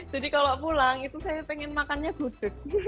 jadi kalau pulang itu saya pengen makannya gudeg